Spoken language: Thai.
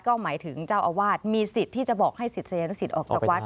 ก็หมายถึงเจ้าอาวาสมีสิทธิ์ที่จะบอกให้ศิษยานุสิตออกจากวัด